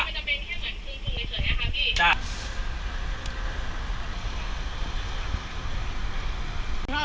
ส่วนข้อมีการหรือเปล่า